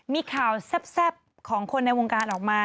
มีข่าวแซ่บของคนในวงการออกมา